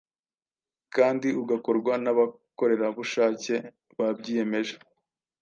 kandi ugakorwa n’abakorerabushake babyiyemeje.